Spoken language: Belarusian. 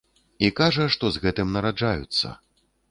І кажа, што з гэтым нараджаюцца.